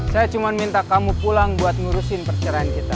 saya cuma minta kamu pulang buat ngurusin perceraian kita